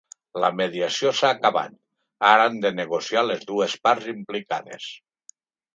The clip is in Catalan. La mediació s’ha acabat, ara han de negociar les dues parts implicades.